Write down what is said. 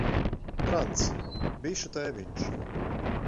Trans - bišu tēviņš.